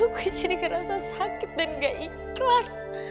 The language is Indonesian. gue jadi ngerasa sakit dan nggak ikhlas